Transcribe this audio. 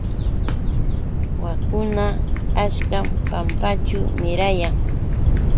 Waakuna achkam pampaćhu mirayan.